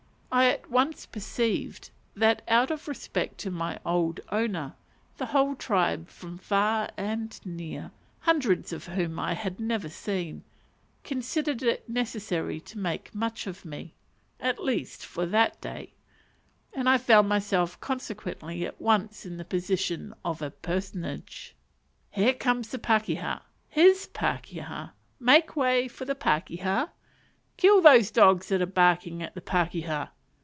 I at once perceived that, out of respect to my old owner, the whole tribe from far and near, hundreds of whom I had never seen, considered it necessary to make much of me, at least for that day, and I found myself consequently at once in the position of a "personage." "Here comes the pakeha! his pakeha! make way for the pakeha! kill those dogs that are barking at the pakeha!"